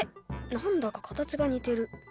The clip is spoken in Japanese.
何だか形が似てる。